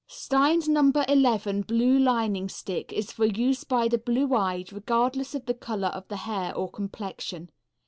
Stein's No. 11 blue lining stick is for use by the blue eyed, regardless of the color of the hair or complexion.